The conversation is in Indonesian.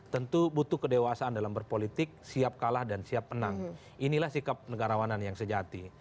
tentu butuh kedewasaan dalam berpolitik siap kalah dan siap menang inilah sikap negarawanan yang sejati